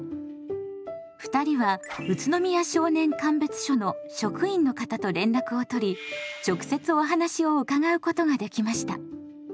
２人は宇都宮少年鑑別所の職員の方と連絡を取り直接お話を伺うことができました。